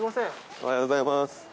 おはようございます。